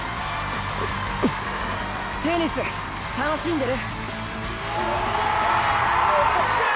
テニス楽しんでる？